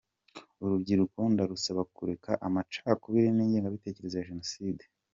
Urubyiruko ndarusaba kureka amacakubiri n’ingengabitekerezo ya Jenoside.